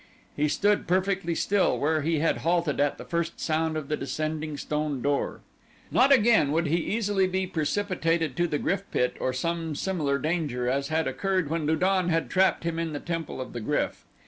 He stood perfectly still where he had halted at the first sound of the descending stone door. Not again would he easily be precipitated to the GRYF pit, or some similar danger, as had occurred when Lu don had trapped him in the Temple of the Gryf.